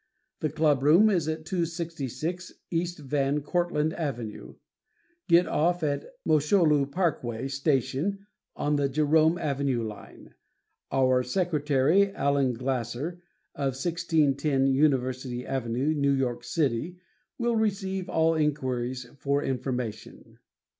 The clubroom is at 266 E. Van Cortland Ave. Get off at Mosholu Parkway station on the Jerome Avenue line. Our secretary, Allen Glasser, of 1610 University Ave., New York City, will receive all inquiries for information.